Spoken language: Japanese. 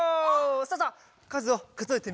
さあさあかずをかぞえてみましょう。